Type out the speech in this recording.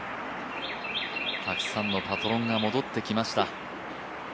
たくさんのパトロンが戻ってきました。